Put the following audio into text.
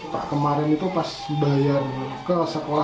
pak kemarin itu pas bayar ke sekolah